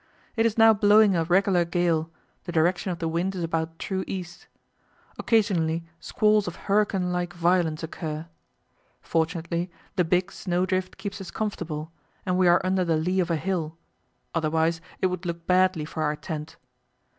It is now blowing a regular gale; the direction of the wind is about true east. Occasionally squalls of hurricane like violence occur. Fortunately the big snow drift keeps us comfortable, and we are under the lee of a hill, otherwise it would look badly for our tent.